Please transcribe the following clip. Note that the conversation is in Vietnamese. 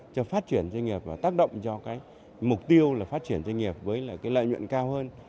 cho phát triển doanh nghiệp và tác động cho cái mục tiêu là phát triển doanh nghiệp với lại cái lợi nhuận cao hơn